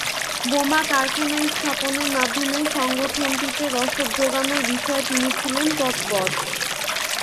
বোমা কারখানা স্থাপনের মাধ্যমে সংগঠনটিতে রসদ জোগানোর বিষয়ে তিনি ছিলেন তত্পর।